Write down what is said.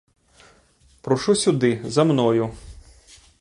Прошу сюди, за мною.